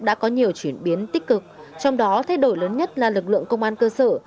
đã có nhiều chuyển biến tích cực trong đó thay đổi lớn nhất là lực lượng công an cơ sở